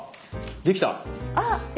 できた！え？